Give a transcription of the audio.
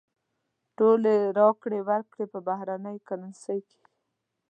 ټولې راکړې ورکړې په بهرنۍ کرنسۍ کېږي.